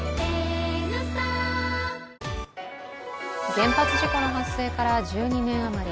原発事故の発生から１２年余り。